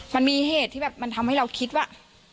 มันมีเหตุที่แบบมันทำให้เราคิดว่า